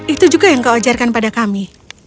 itu juga yang kau ajarkan pada kami